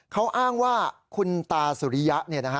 เขาอ้างว่าคุณตาสุริยะ